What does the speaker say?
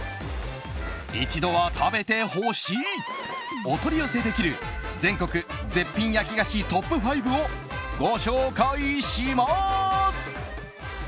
一度は食べてほしいお取り寄せできる全国絶品焼き菓子トップ５をご紹介します。